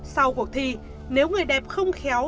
sau cuộc thi nếu người đẹp không khéo